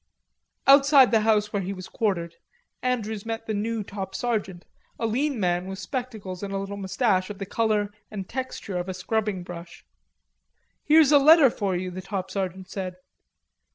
Outside the house where he was quartered Andrews met the new top sergeant, a lean man with spectacles and a little mustache of the color and texture of a scrubbing brush. "Here's a letter for you," the top sergeant said.